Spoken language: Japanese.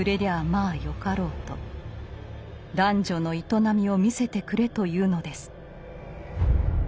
男女の営みを見せてくれと言うのです。